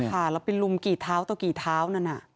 ค่ะแล้วไปลุมกี่เท้าต่อกี่เท้านั่นน่ะ